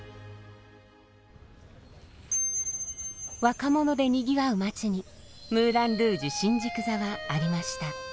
若者でにぎわう街にムーラン・ルージュ新宿座はありました。